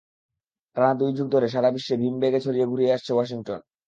টানা দুই যুগ ধরে সারা বিশ্বে ভীম-বেগে ছড়ি ঘুরিয়ে আসছে ওয়াশিংটন।